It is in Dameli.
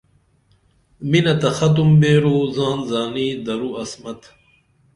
مِنہ تہ ختُم بیرو زان زانی درو عصمت